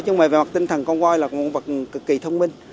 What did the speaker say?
nhưng mà về mặt tinh thần con voi là một loài vật cực kỳ thông minh